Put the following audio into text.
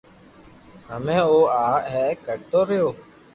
ھمي اون آ اي ڪرتو ريو